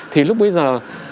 thì lúc bây giờ